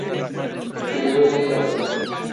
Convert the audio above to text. Escribió seis óperas.